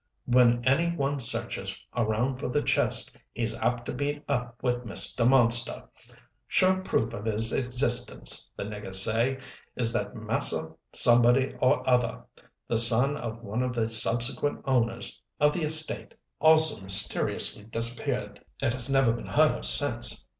When any one searches around for the chest he's apt to meet up with Mr. Monster! Sure proof of his existence, the niggers say, is that Mas'r Somebody or other, the son of one of the subsequent owners of the estate, also mysteriously disappeared and has never been heard of since.